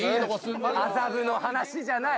麻布の話じゃない。